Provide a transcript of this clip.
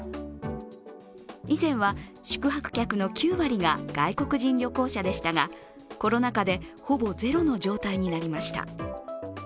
以前は宿泊客の９割が外国人旅行者でしたがコロナ禍で、ほぼゼロの状態になりました。